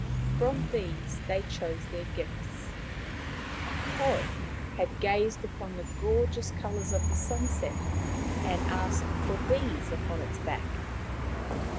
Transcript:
From these they chose their gifts. A Cod had gazed upon the gorgeous colours of the sunset, and asked for these upon its back.